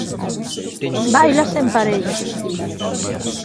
Báilase en parella.